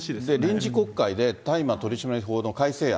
臨時国会で、大麻取締法の改正案。